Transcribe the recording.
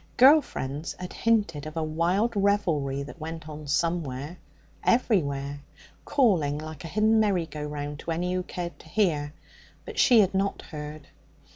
Girl friends had hinted of a wild revelry that went on somewhere everywhere calling like a hidden merry go round to any who cared to hear. But she had not heard.